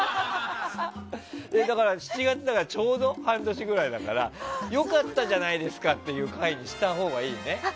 だから、７月だったからちょうど半年ぐらいだから良かったじゃないですかっていう会にしたほうがいいね。